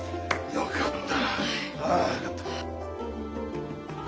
よかった。